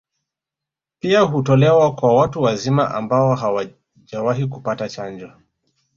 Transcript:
Pia hutolewa kwa watu wazima ambao hawajawahi kupata chanjo